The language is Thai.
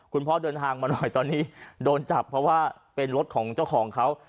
คุณพ่อเดินทางมาหน่อยตอนนี้โดนจับเพราะว่าเป็นรถของเจ้าของเขา